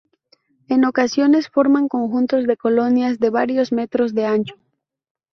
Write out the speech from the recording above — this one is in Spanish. En ocasiones forman conjuntos de colonias de varios metros de ancho.